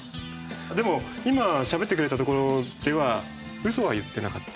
でも今しゃべってくれたところではうそは言ってなかったですね。